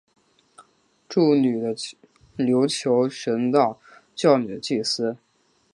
祝女的琉球神道教女祭司。